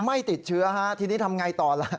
ไม่ติดเชื้อที่นี้ทำไงตอน